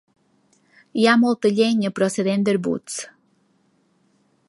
Hi ha molta llenya procedent d'arbusts.